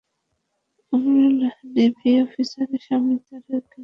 আমার navy officer স্বামী তার ক্যাডেটদের নিয়ে কাপ্তাইয়ের নেভাল বেসে এসেছেন।